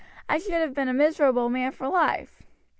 I should have been a miserable man for life."